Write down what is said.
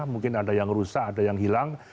mungkin ada yang rusak ada yang hilang